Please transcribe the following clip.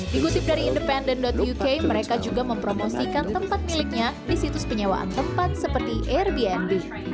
dikutip dari independent uk mereka juga mempromosikan tempat miliknya di situs penyewaan tempat seperti airbnb